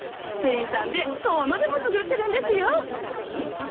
スペイン産で遠野でも作ってるんですよ。